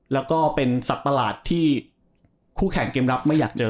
แล้วก็เป็นสัตว์ประหลาดที่คู่แข่งเกมรับไม่อยากเจอ